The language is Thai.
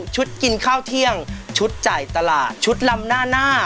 กินข้าวเที่ยงชุดจ่ายตลาดชุดลำหน้าหน้า